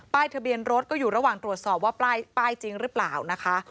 ทะเบียนรถก็อยู่ระหว่างตรวจสอบว่าป้ายจริงหรือเปล่านะคะ